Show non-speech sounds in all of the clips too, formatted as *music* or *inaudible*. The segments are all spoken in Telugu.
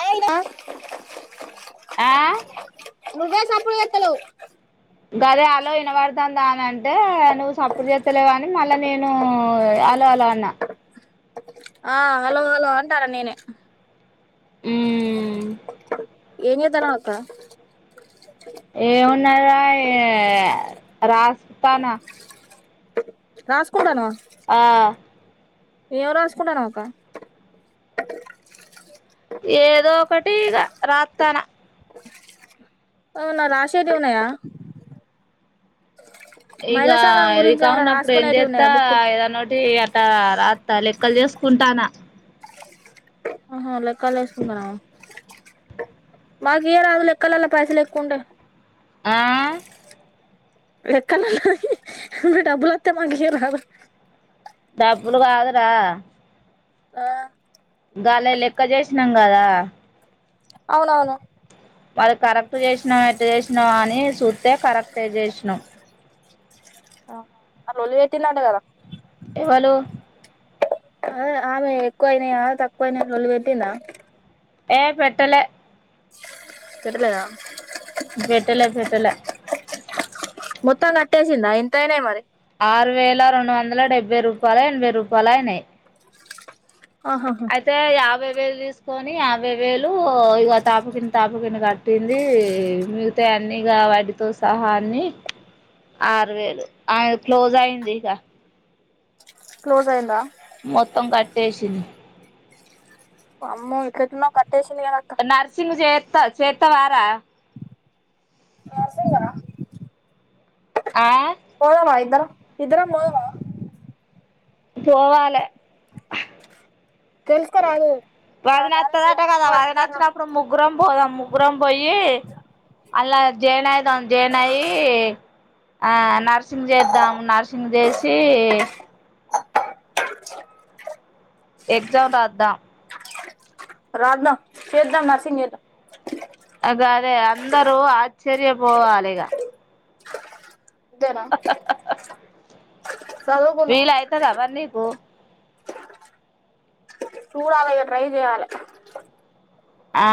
అవున ఆ నువ్వే చప్పుడు సెత్తన్నావ్ గదె హాలో ఇన్పడతాంది అని అంటె నువ్వు సప్పుడ్ సెత్తలేవ్ అని మళ్ళా నేను అలో అలో అన్నా ఆ హలో హలో అంటన్న నేనే మ్మ్ ఏన్ చేతనవ్ అక్క ఏమ్ ఉన్నది రా ఇగ రాస్క్ తాన రాసుకుంటన్నావా ఆ ఏం రాసుకుంటన్నావ్ అక్క ఏదో ఒకటి రా రతనా అవునా రాసేది ఉన్నాయ ఇగ ఇది గురించి కా ఏమైనా ఉన్నప్పుడు ఏం రాసుకునేటివి చెత్త ఉన్నాయా బుక్కులు ఏదన్న ఓటి అట్ట రాత్ త లెక్కల్ చేస్కుంటానా ఆహా లెక్కల్ చేసుకుంటన్నావా మాకు ఇయరాదు లెక్కాలల్ల పైసలు ఎక్కువ ఉంటే ఆ లెక్కలు డబ్బులోత్తే మాకీయరాదు డబ్బులు గాదురా ఆ గాలే లెక్క చేసినం గదా అవునవును మరి కరెక్ట్ చేస్నామ్ ఎట్చేస్నామా అని చూస్తే కరక్ట్ జేస్సినామ్ ఆ అ లోల్లి వెట్టిదంటా గదా ఎవలు హా ఆమె ఎక్కువైనయా తక్కువయ్నా అని లొల్లి వెట్టిందా ఏ పెట్టలె పెట్టలేదా పెట్టలే పెట్టలా మొత్తాం గట్టేసిందా ఎంతైనాయ్ మరి ఆరువేలరెండువందల డెబ్బైరూపాయలఎనభై రూపాయల అయినయ్ ఆహాహా అయితే యాభై బై వేలు తీస్కొని యాభై వేలు ఇగ తాప్కింత తాప్కింత గట్టింది మిగతా అన్ని వటితో సహా అన్ని ఆరు వేలు ఆయ క్లోజ్ అయిన్ది ఇగా క్లోజ్ అయిన్దా మొత్తం కట్టేసింది వామ్మొ ఇక్కడ ఉ నరసింగ్ చే చేత్తవారా సంగా ఆ పోదామ ఇద్దరం ఇద్ధరం పొదామ పోవాలె తెలుసుకోరాదు పది కాలేజ్ నచ్చదాటా కదా తెలుసుకో అది ఎక్కడనో నచ్చనప్పుడు ముగ్గురం పోదాం ముగ్గురం పొయ్యి అల్లా జాయిన్ అయిదాం జాయిన్ అయ్యి ఆ నర్సింగ్ చేద్దాం నర్సింగ్ జేసి. ఎగ్జామ్ రాద్దాం రాద్దాం చేద్దాం నర్సింగ్ చేద్దాం అగో అదే అందరూ ఆశ్చర్యపోవాలిగా అంతేనా చదువుకుందాం వీలైతదా మరి నీకు చూడాలి ఇగ ట్రై చేయాలి ఆ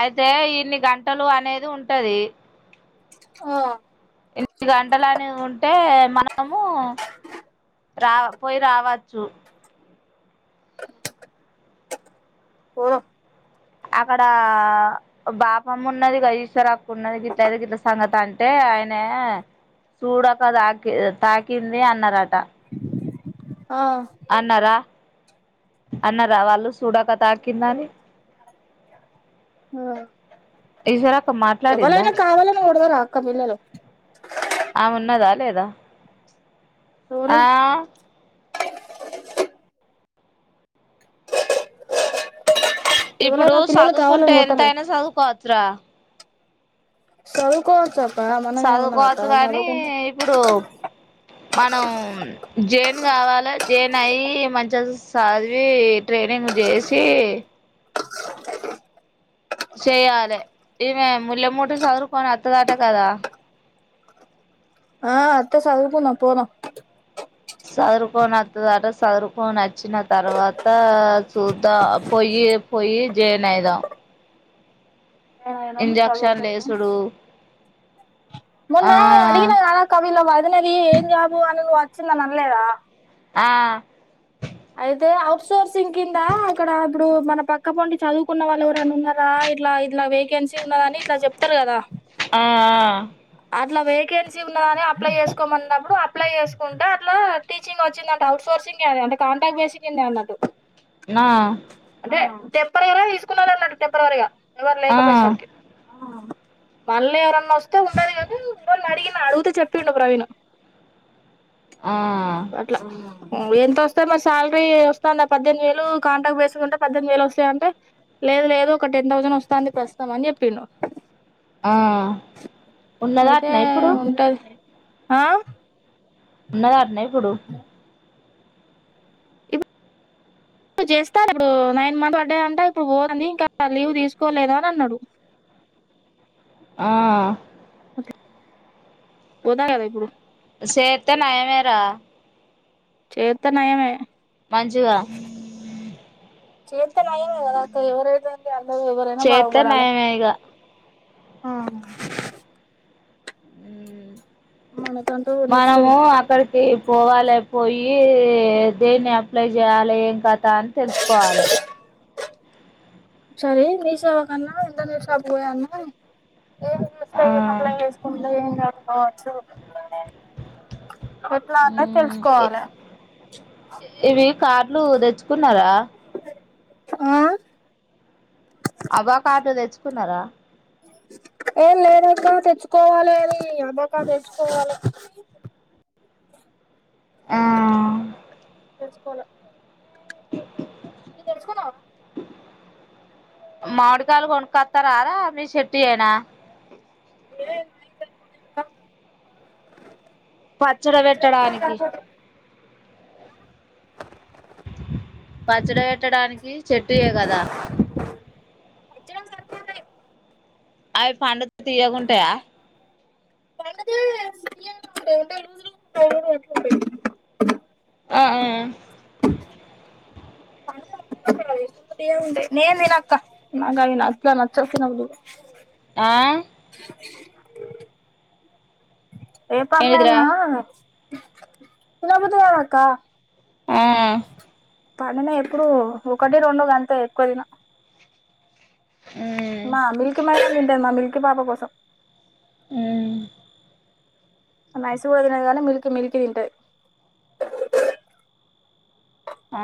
అయితే ఇన్ని గంటలు అనేది ఉంటది. ఆ ఇన్ని గంటలని ఉంటే మనము రా పోయి రావచ్చు. పోదాం అక్కడా బాపమ్ ఉన్నదిగ ఈశ్వర్ అక్క ఉన్నది గిట్టది గిట్లాగే ఇట్ల సంగతి అంటే ఆయనే చూడక తాకి తాకింది అన్నారట. ఆ అన్నరా అన్న రా వాళ్ళు చూడక తాకింది అని ఈశ్వరక్క మాట్లాడిందా. డతరా అక్క పిల్లలు ఆ ఉన్నదా లేదా ఎవలు ఆ ఇప్పుడు ఎవలైనా పిల్లలు చదువుకుంటే కావాలని ఎంత కొట్టరు అయినా చదువుకోవచ్చురా చదువు కొవచ్చా చదువుకోవచ్చు కానీ ఇప్పుడు మనం జన్ న్ కావాల జేన్ అయి మంచిగా చదివి ట్రైనింగ్ చేసి చేయాలే ఇవే ముల్మూట సదుర్కోన వత్తదట కదా ఆ అత్త చదువు కుందాంపోదం సదురుకోని నాతడ చదుకు నచ్చిన తర్వాత చూద్దా పోయి పోయి జైన్ అయిదాం ఇంజక్షన్ లేసుడు మన్న అడిగిన అలా కవలో వా అది నది ఏం జాబు అని వచ్చింద అనలేదా ఆ అయితే అఔట్సోర్సింగ్ కింద అక్కడ ఇప్పుడు మన పక్క పండి చదువుకున్న వాళ్ళు ఎవరనా ఉన్నారా ఇట్లా ఇట్లా వేకెన్సీ ఉన్నదా అని ఇట్లా చెప్తారు కదా ఆ ఇట్లా వేకెన్సీ ఉన్నదని అప్లై చేసుకోమన్నప్పుడు అప్లై చేసుకుంటే అట్లా టీచింగ్ వచ్చిందంట అవుట్సోర్సింగ్ ఏంటే కాంటాక్ట్ బేసిక్ పొయ్యింది అన్నట్టు నా తెప్పర ఎర తీసుకున్నాాలన్నడి తెప్పరవరగా ఎవ్వరు లేక ఆ పొయ్యే సరికి మళ్ళీ ఎవరన్న వస్ వస్తే ఉండదు కాబట్టి రొండు రోజులు అడిగింది తున్న అడుగుతే చెప్పిండు ప్రవీణు ఆ ఎంతొస్ మొత్తం ఆ శాలరీ వస్తుంది ఆ పద్దెనిమిది వేలు కాంట్రాక్ట్ బేసి ఉంటే పద్దెనిమిది వేలు వస్తాయంటే లేదు లేదు ఒక టెన్ థౌసండ్ వస్తాది ప్రస్తుతం అని చెప్పిండు ఆ ఉన్నదా అయితే అట్నే ఇప్పుడు ఉంటది ఆ ఉన్నద వినాయకుడు ఇడు చేస్తారు ఇప్పుడు నైన్ మంత్ పడ్డా అంట ఇప్పుడు పోదడి ఇంకా లీవ్ తీసుకోలేదా అని అన్నాడు ఆ పోదా కదా ఇప్పుడు సేత్తానాయనేరా చేత్తే నయమే మంచిగా చేత్తే నయమే కదా అక్కా ఎవరైతే ఏం ది చేత్తే నయమే ఇగ ఆ మనకంటూ నెక్స్ట్ మనము అక్కడికి పోవాలి పోయి దేన్ని అప్లై చేయాలి ఏం కథ అని తెలుసుకోవాలి సరే నిషవాకా అన్నా ఇంద నిషాపు పోయా అన్న ఏం చేూస్తా ఆ ఏం అప్ల చేసుకుంటే ఏం చదువుకోవచ్చు ఎట్లా అన్నది తెలుసుకోవాలే ఇవి కార్లు తెచ్చుకున్నారా ఆ అబా కాట్లు తెచ్చుకున్నారా ఏం లేదక తెచ్చుకోవాలిని అబకా తెచ్చుకోవాలి ఆ కోలె అ నువ్వు తెలుసుకున్నావా మాడి కాలు కొనుకోతరారా మీ చెట్టీ ఏనా పో పచ్చడి పెట్టడానికి పచ్చడ పెట్టడానికి చెట్టుయే కదా పచ్చడ కి సరిపోత అవి పండితే తీయకుంటాయా ఏంటిది లూజ్ *unintelligible* ఆ ఆ నేను తినక్క నాకు అవ్వీ అసలు నచ్చవ్ ఆ ఏంటిదిరా ఏపర్లైనా తినబుద్ది కాదు అక్క మ్మ్ పనుంద ఇప్పుడు ఒకటి రొండు గంతే ఎక్కువ తిన ఉమ్ మా మిల్క్ *unintelligible* తింటది మమ్మీ టి పాప కోసం మ్మ్ నైస్ కూడ తినదు కానీ మిల్కీ మిల్కీ తింటది ఆ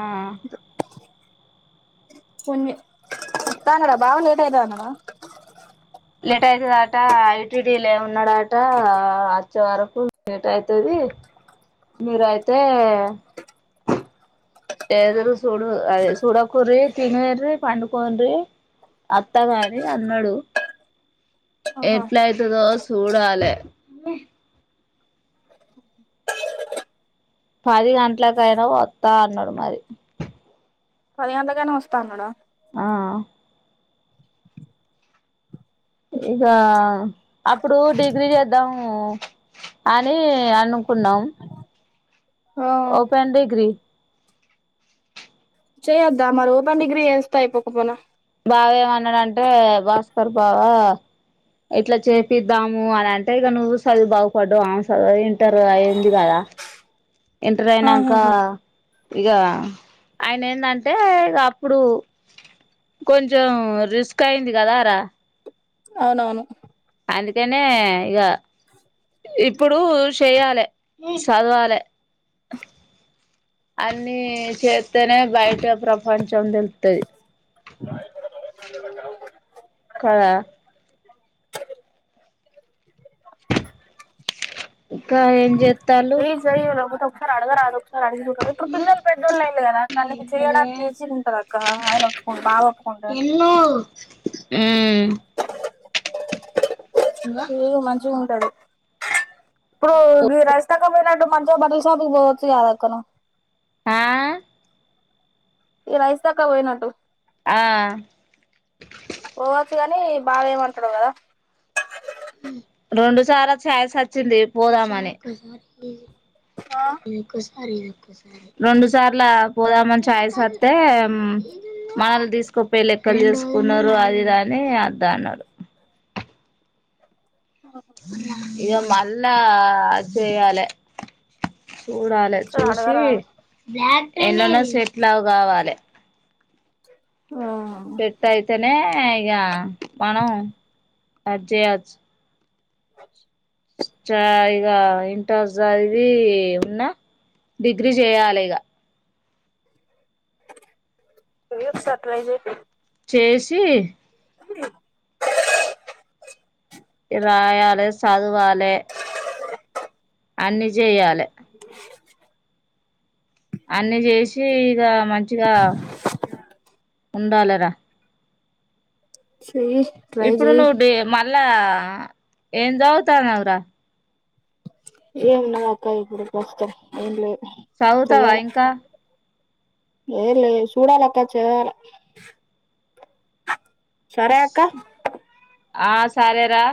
కొన్ని వత్త అన్నడు బాగా లేట్ అయితది అన్నడా లేట్ అయితాదంట ఐ టి డీ లే ఉన్నాడ టా అది ఓచేవరకు లేట్ అయితుది మీరయితే ఎదురు చూడు అద చూడకుర్రి తినర్రి పండుకోన్రి అత్త కాని అన్నాడు ఆహా ఎట్ల అయితుదో చూడాలె పది గంటలకైనా వస్తా అన్నాడు మరి పది గంటలకి ఐన వస్తా అన్నడ ఆ ఇక అప్పుడు డిగ్రీ చేద్దాము అని అనుకున్నాం ఆ ఓ పన్ డిగ్రీ చేయొద్దా మరి ఓపెన్ డిగ్రీ చేస్తే ఐపోకపోనా బావ ఏమన్నాడంటే భాస్కర్ బావ ఇట్లా చేపిద్దాము అని అంటే ఇక నువ్వు చదువు బాగుపడ్డువు అవు సదువు ఇంటర్ అయింది కదా ఇంటర్ అయినాక ఆహాహా ఇగా ఆయన ఏంటంటే ఇక అప్పుడు కొంచెం రిస్క్ అయింది కదా అ రా అవునవును అందుకనే ఇక ఇప్పుడు చెయ్యాలి చదవాలి అన్ని చే చేస్తనే బయట ప్రపంచం తెలుతుంది కద ఇంకా ఏం చేస్తాలు అడగ రాదు ఒకసారి అడి ఇప్పుడు పిల్లలు బెడ్లు ఆయిల్ కదా అక్క అందుకే చేయడానికి ఏసీ ఉంటంది అక్క ఆయన ఒప్పుకోండి బాబు ఒప్పుకోండు మ్మ్ ప్రీగ మంచిగుం టడు ఇప్పుడు ఈ రైస్ తక్క పోయినట్టు మంచిగా బట్టల షాపుకు పోవచ్చు గద అక్కనువ్వు ఆ ఈ రైస్తక్క వోయినట్టు ఆ పోవచ్చు గాని బావ ఏమంటాడు కదా రెండు సార్ల చాయిస్ వచ్చింది పోదామని ఆ రెండు సార్లు పోదామని చాయస్ వస్తతే మనలు తీసుకోపోయ లెక్కలు చేసుకున్నారు అదిద అని అద్ద అన్నాడు ఇగ మళ్ళ చెయాలె చూడాలె ఒకసారి చూసి అడగరాదు ఎన్నునా సెట్లవ్ కావాలి ఆ అనే ఇగ మనం అది చేయచ్చు ఇక ఇంటర్ చదివి ఉన్న డిగ్రీ చేయాలి ఇగ సర్ప్రాయిజ్ అయితే చేసి హామ్ రాయాలే చదువాలె అన్ని జయాలే అన్ని చేసి ఇక మంచి మంచిగా ఉండాలని త చెయ్యి ట్రై ఇప్పుడు చెయ్యి ను డి మళ్ళా ఏం చదువుతానవ్ రా ఏం నా అక్క ఇప్పుడు ప్రస్తుతం ఏం లే చదువుతావా ఇంకా ఏ లే సూడాల అక్క చేయాలా సరే అక్క ఆ సరేరా